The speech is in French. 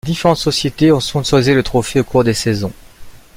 Différentes sociétés ont sponsorisé le trophée au cours des saisons.